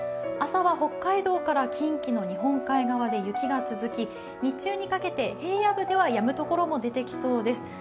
朝は北海道から近畿の日本海側で雪が続き、日中にかけて平野部ではやむところも出てきそうです。